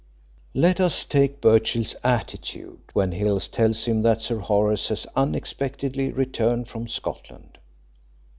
"Let us take Birchill's attitude when Hill tells him that Sir Horace has unexpectedly returned from Scotland.